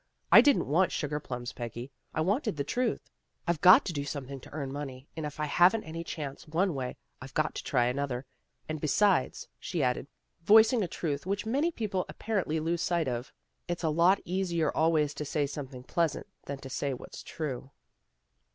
" I didn't want sugar PEGGY ACTS AS CRITIC 149 plums, Peggy. I wanted the truth. I've got to do something to earn money, and if I haven't any chance one way, I've got to try another. And, besides," she added, voicing a truth which many people apparently lose sight of, " it's a lot easier always to say something pleasant than to say what's true."